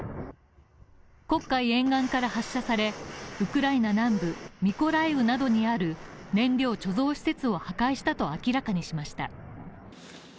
黒海沿岸から発射され、ウクライナ南部ミコライウなどにある燃料貯蔵施設を破壊したと明らかにしました。